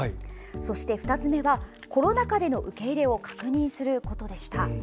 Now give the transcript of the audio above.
そして２つ目はコロナ禍での受け入れを確認することでした。